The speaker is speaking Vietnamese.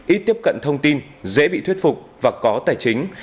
ít tiếp cận thông tin dễ bị thuyết phục và có tài chính